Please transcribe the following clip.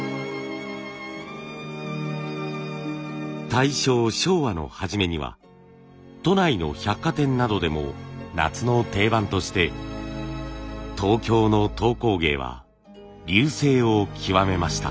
大正昭和の初めには都内の百貨店などでも夏の定番として東京の籐工芸は隆盛を極めました。